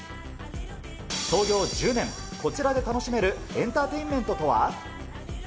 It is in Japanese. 創業１０年、こちらで楽しめるエンターテインメントとは。